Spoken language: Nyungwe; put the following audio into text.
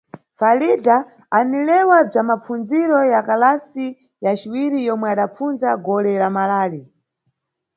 Falidha anilewa bza mapfundziro ya kalasi ya ciwiri yomwe adapfundza gole lamalali.